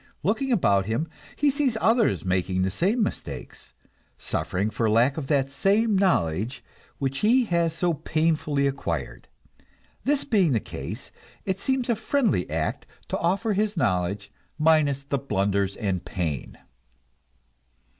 Looking about him, he sees others making these same mistakes, suffering for lack of that same knowledge which he has so painfully acquired. This being the case, it seems a friendly act to offer his knowledge, minus the blunders and the pain.